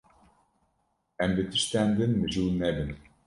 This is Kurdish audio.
Em bi tiştên din mijûl nebin.